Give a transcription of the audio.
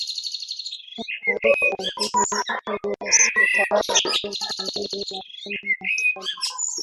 Mwaka elfu mbili kumi na sita hadi elfu mbili na kumi na saba